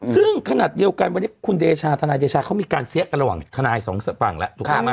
ซึ่งขนาดเดียวกันวันนี้คุณว่านายเดชาเขามีการเสียกันระหว่างทนายค์สาธารณ์และ